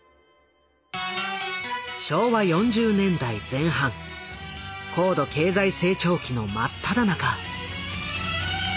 昭和４０年代前半高度経済成長期の真っただ中。